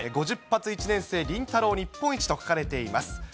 ５０発１年生、麟太郎日本一と書かれています。